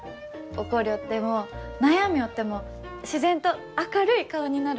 怒りょっても悩みょうっても自然と明るい顔になる。